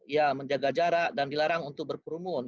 ya menjaga jarak dan dilarang untuk berkerumun